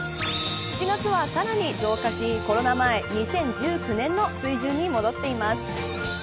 ７月はさらに増加しコロナ前２０１９年の水準に戻ってきています。